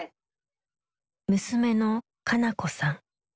娘の香夏子さん。